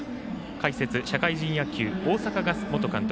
解説、社会人野球大阪ガス元監督